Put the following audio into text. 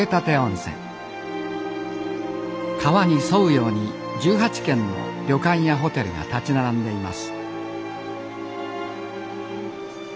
川に沿うように１８軒の旅館やホテルが立ち並んでいます